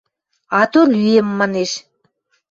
Ато лӱэм! – манеш.